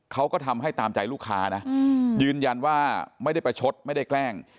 เขาก็ทำให้ตามใจลูกค้านะยืนยันว่าไม่ได้ประชดไม่ได้แกล้ง